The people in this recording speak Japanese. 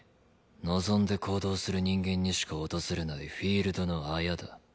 望んで行動する人間にしか訪れないフィールドのあやだ。